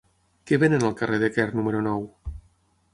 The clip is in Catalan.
Què venen al carrer de Quer número nou?